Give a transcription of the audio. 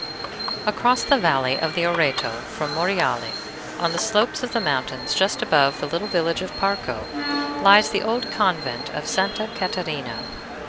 Across the valley of the Oreto from Monreale, on the slopes of the mountains just above the little village of Parco, lies the old convent of Sta. Catarina.